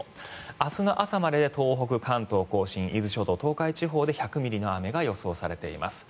明日の朝までで東北、関東・甲信伊豆諸島、東海地方で１００ミリの雨が予想されています。